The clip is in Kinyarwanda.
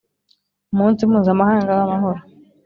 Umunsi mpuzamahanga w amahoro